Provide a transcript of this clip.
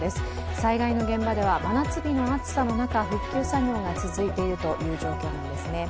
災害の現場では真夏日の暑さの中復旧作業が続いているという状況なんですね。